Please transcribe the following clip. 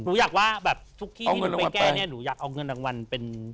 หนูอยากว่าแบบทุกที่ที่หนูไปแก้เนี่ยหนูอยากเอาเงินรางวัลเป็น